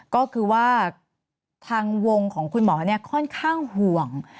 ก็คือว่าทางวงของคุณหมอค่อนข้างห่วง